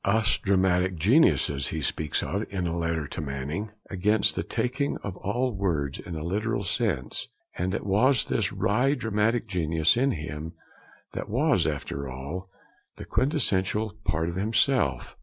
'Us dramatic geniuses,' he speaks of, in a letter to Manning against the taking of all words in a literal sense; and it was this wry dramatic genius in him that was, after all, the quintessential part of himself.